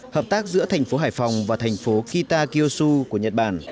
hợp tác giữa thành phố hải phòng và thành phố kitakyushu của nhật bản